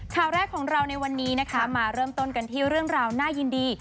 ข่าวแรกของเราในวันนี้นะคะมาเริ่มต้นกันที่เรื่องราวน่ายินดี